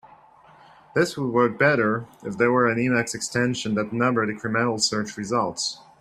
This would work better if there were an Emacs extension that numbered incremental search results.